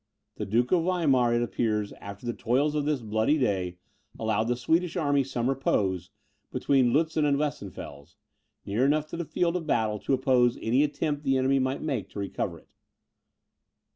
The Duke of Weimar, it appears, after the toils of this bloody day, allowed the Swedish army some repose, between Lutzen and Weissenfels, near enough to the field of battle to oppose any attempt the enemy might make to recover it.